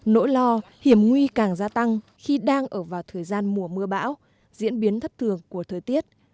nỗi lo hiểm nguy càng gia tăng khi đang ở vào thời gian mùa mưa bão diễn biến thất thường của thời tiết